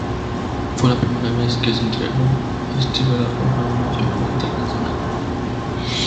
Fue la primera vez que se entregó este galardón a una figura internacional.